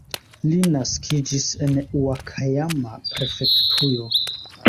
Li naskiĝis en Ŭakajama-prefektujo.